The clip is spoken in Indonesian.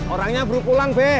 orangnya baru pulang be